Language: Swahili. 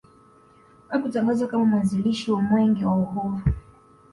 Hakutangazwa kama mwanzilishi wa Mwenge wa Uhuru